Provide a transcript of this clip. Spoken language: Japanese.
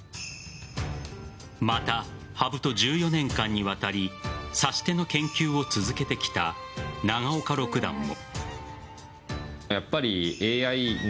また、羽生と１４年間にわたり指し手の研究を続けてきた長岡六段も。